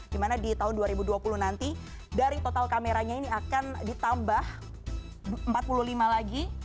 dimana di tahun dua ribu dua puluh nanti dari total kameranya ini akan ditambah empat puluh lima lagi